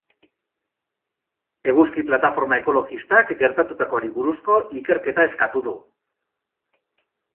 Eguzki plataforma ekologistak gertatutakoari buruzko ikerketa eskatu du.